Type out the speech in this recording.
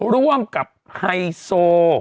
ร่วมกับไฮโซ